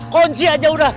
kunci aja udah